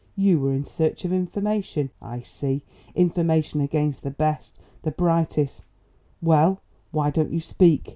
You were in search of information, I see; information against the best, the brightest Well, why don't you speak?